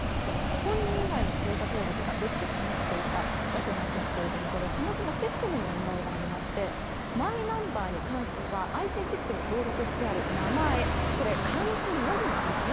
本人以外の口座登録ができてしまっていたわけなんですがそもそもシステムに問題がありましてマイナンバーに関してはＩＣチップに登録してある名前これ、漢字のみなんですね。